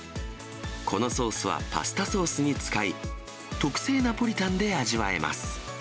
このソースはパスタソースに使い、特製ナポリタンで味わえます。